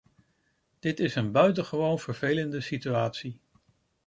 Dit is een buitengewoon vervelende situatie.